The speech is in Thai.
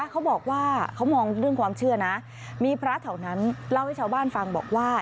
เขาบอกว่าเขามองเรื่องความเชื่อนะมีพระแถวนั้นเล่าให้ชาวบ้านฟังบอกว่า